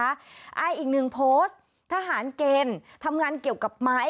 อีกหนึ่งโพสต์ทหารเกณฑ์ทำงานเกี่ยวกับไม้